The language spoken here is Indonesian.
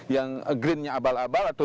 yang green nya abal abal atau